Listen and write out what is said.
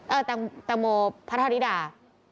เออตังโมพัทราธิดา